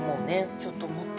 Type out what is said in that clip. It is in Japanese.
◆ちょっと思った。